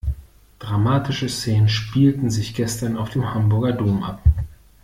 Dramatische Szenen spielten sich gestern auf dem Hamburger Dom ab.